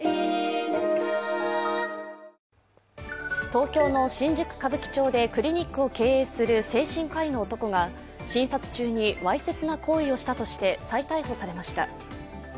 東京の新宿・歌舞伎町でクリニックを経営する精神科医の男が診察中にわいせつな行為をしたとして再逮捕されました。